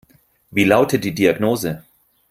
Wie lautet die Diagnose?